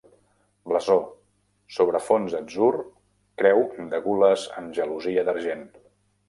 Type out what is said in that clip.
Blasó: sobre fons atzur, creu de gules amb gelosia d'argent.